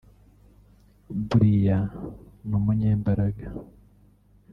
Brian ni umunyembaraga